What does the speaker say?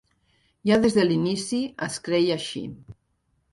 Ja des de l'inici es creia així.